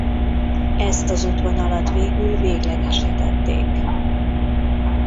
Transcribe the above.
Ezt az útvonalat végül véglegesítették.